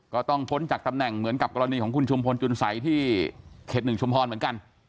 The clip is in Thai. ก็ต้องพ้นจากตำแหน่งเหมือนกับกรณีของคุณชุมพลจุนสัยที่เขต๑ชุมพรเหมือนกัน